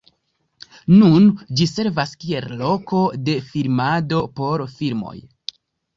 Nun ĝi servas kiel loko de filmado por filmoj.